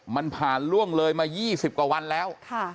มันผ่านล่วงเลยมา๒๐กว่าวันแล้ว